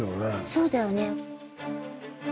そうだよね。